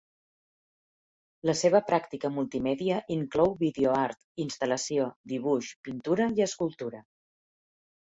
La seva pràctica multimèdia inclou videoart, instal·lació, dibuix, pintura i escultura.